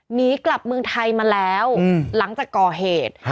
หนีกลับเมืองไทยมาแล้วหลังจากก่อเหตุ